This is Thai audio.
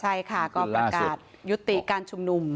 ใช่ค่ะก็ประกาศยุติการชุมนุม